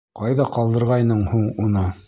Ҡайҙа ҡалдырғайның һуң уны?